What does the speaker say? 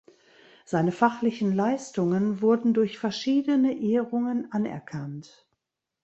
Seine fachlichen Leistungen wurden durch verschiedene Ehrungen anerkannt.